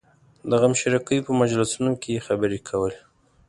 د غمشریکۍ په مجلسونو کې یې خبرې کولې.